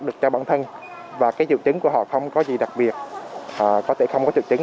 được cho bản thân và cái triệu chứng của họ không có gì đặc biệt họ có thể không có triệu chứng